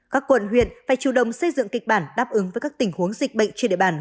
các quận huyện phải chủ động xây dựng kịch bản đáp ứng với các tình huống dịch bệnh trên địa bàn